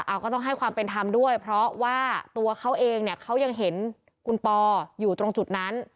เอาก็ต้องให้ความเป็นธรรมด้วยเพราะว่าตัวเขาเองเนี่ยเขายังเห็นคุณปออยู่ตรงจุดนั้น